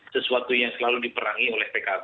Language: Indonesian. sesuatu yang selalu diperangi oleh pkb